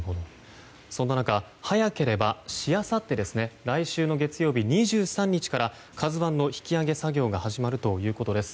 そんな中、早ければしあさって来週月曜日２３日から「ＫＡＺＵ１」の引き揚げ作業が始まるということです。